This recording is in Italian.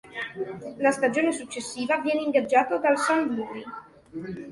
La stagione successiva viene ingaggiato dal Sanluri.